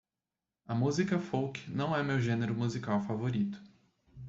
A música folk não é meu gênero musical favorito.